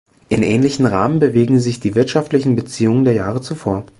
In ähnlichem Rahmen bewegen sich die wirtschaftlichen Beziehungen der Jahre zuvor.